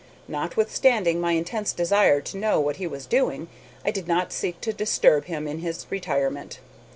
Notwithstanding my intense desire to know what he was doing, I did not seek to disturb him in his retirement.